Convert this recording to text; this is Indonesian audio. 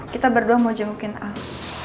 kita berdua mau jemukin al